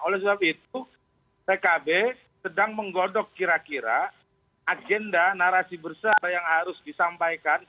oleh sebab itu pkb sedang menggodok kira kira agenda narasi besar yang harus disampaikan